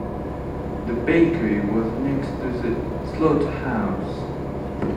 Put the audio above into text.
The bakery was next to the slaughterhouse.